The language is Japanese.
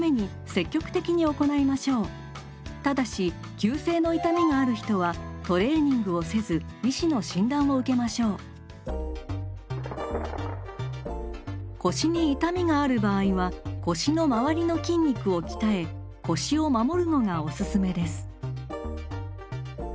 このトレーニングはただし腰に痛みがある場合は腰の周りの筋肉を鍛え腰を守るのがおすすめです。